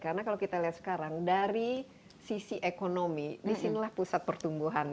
karena kalau kita lihat sekarang dari sisi ekonomi disinilah pusat pertumbuhan